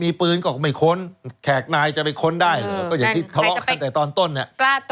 มีปืนก็ไม่ค้นแขกนายจะไปค้นได้ก็อย่างที่ทะเลาะกันแต่ตอนต้นเนี่ย